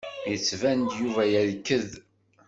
Yettban-d Yuba yerked.